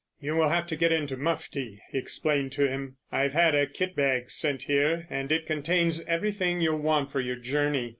"You will have to get into mufti," he explained to him. "I've had a kit bag sent here, and it contains everything you'll want for your journey.